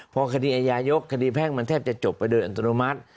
พอคดีอาญายกคดีแพ่งมันแทบจะจบไปโดยอัตโนมัติ